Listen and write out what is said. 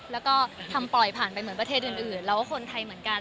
แล้วก็ทำปล่อยผ่านไปเหมือนประเทศอื่นแล้วก็คนไทยเหมือนกัน